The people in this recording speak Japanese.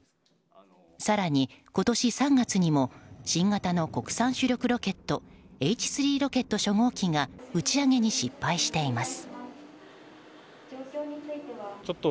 更に、今年３月にも新型の国産主力ロケット「Ｈ３ロケット初号機」が打ち上げに失敗しています。